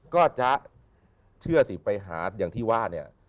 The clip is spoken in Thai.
ก็จะเชื่อสิไปหาอย่างที่ว่าเนี่ย